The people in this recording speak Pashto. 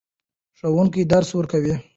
ښوونکي درس ورکوې.